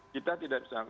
kita tidak bisa